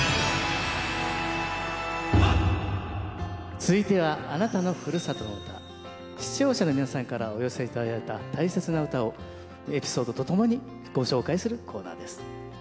続いては視聴者の皆さんからお寄せいただいた大切な唄をエピソードとともにご紹介するコーナーです。